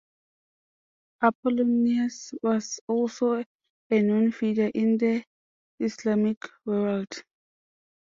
Apollonius was also a known figure in the Islamic world.